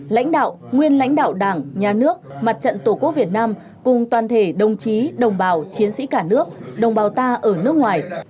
lãnh đạo nguyên lãnh đạo đảng nhà nước mặt trận tổ quốc việt nam cùng toàn thể đồng chí đồng bào chiến sĩ cả nước đồng bào ta ở nước ngoài